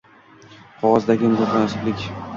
Qog‘ozdagi mutanosiblik?